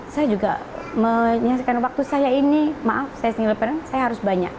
saya juga menyaksikan waktu saya ini maaf saya single panen saya harus banyak